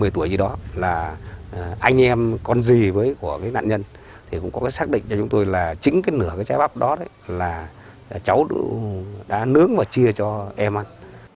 một mươi tuổi gì đó là anh em con gì với của cái nạn nhân thì cũng có cái xác định cho chúng tôi là chính cái nửa cái trái bắp đó đấy là cháu đã nướng và chia cho em ăn